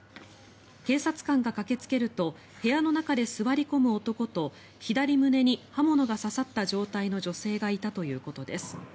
警察官が駆けつけると部屋の中で座り込む男と左胸に刃物が刺さった状態の女性がいたということです。